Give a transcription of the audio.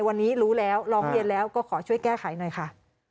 วันนี้รู้แล้วร้องเรียนแล้วก็ขอช่วยแก้ไขหน่อยค่ะ